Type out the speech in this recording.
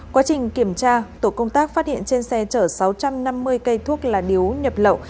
quá trình kiểm tra tổ công tác phát hiện trên xe chở sáu trăm năm mươi cây thuốc lá điếu nhập lậu